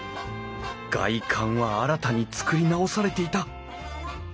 外観は新たに作り直されていた。